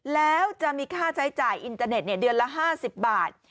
แล้วจะมีค่าใช้จ่ายอินเทอร์เน็ตเดือนละ๕๐บาท